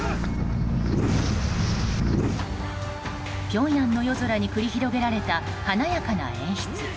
ピョンヤンの夜空に繰り広げられた華やかな演出。